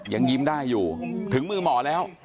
ยังยิ้มได้อยู่ถึงมือหมอแล้ว